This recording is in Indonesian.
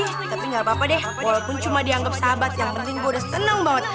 tapi gak apa apa deh walaupun cuma dianggap sahabat yang penting gue udah seneng banget